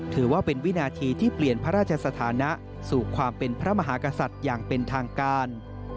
ถือว่าเป็นวินาทีที่เปลี่ยนพระราชสถานะสู่ความเป็นพระมหากษัตริย์อย่างเป็นทางการ